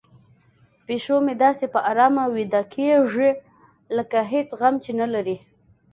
پیشو مې داسې په ارامه ویده کیږي لکه هیڅ غم چې نه لري.